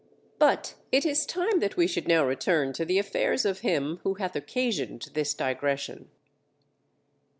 But it is time that we should now return to the affairs of him who hath occasioned this digression.